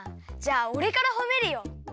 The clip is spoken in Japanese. じゃあおれからほめるよ。